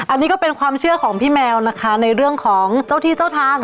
อันนี้ก็เป็นความเชื่อของพี่แมวนะคะในเรื่องของเจ้าที่เจ้าทาง